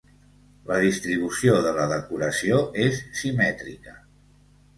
La distribució de la decoració és simètrica.